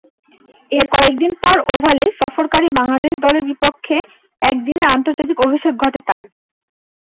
এর কয়েকদিন পর ওভালে সফরকারী বাংলাদেশ দলের বিপক্ষে একদিনের আন্তর্জাতিকে অভিষেক ঘটে তার।